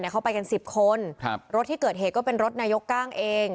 เขาไปกัน๑๐คนรถที่เกิดเหตุก็เป็นรถนายกก้างเอง